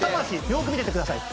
よく見ててください。